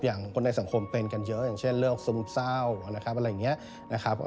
อย่างคนในสังคมเป็นกันเยอะอย่างเช่นเรื่องซุ่มเศร้านะครับอะไรอย่างนี้